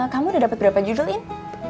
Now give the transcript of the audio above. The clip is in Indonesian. kamu udah dapat berapa judul in